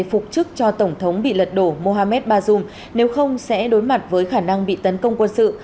phục chức cho tổng thống bị lật đổ mohamed bazoum nếu không sẽ đối mặt với khả năng bị tấn công quân sự